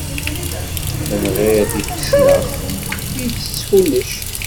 Menɣir tifesnax, ittett kullec.